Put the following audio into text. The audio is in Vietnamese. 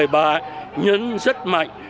đã nhấn rất mạnh